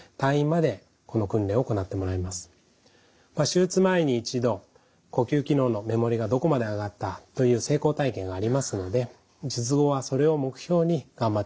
手術前に一度呼吸機能の目盛りがどこまで上がったという成功体験がありますので術後はそれを目標に頑張っていただいてます。